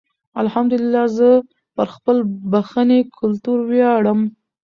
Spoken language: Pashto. الحمدالله زه پر خپل پښنې کلتور ویاړم.